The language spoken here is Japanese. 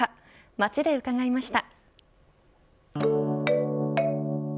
街で伺いました。